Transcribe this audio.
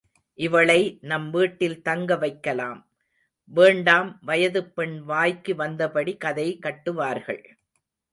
இவளை நம் வீட்டில் தங்க வைக்கலாம். வேண்டாம் வயதுப் பெண் வாய்க்கு வந்தபடி கதை கட்டுவார்கள்.